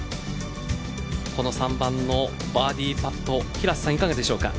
この３番のバーディーパット平瀬さん、いかがでしょうか？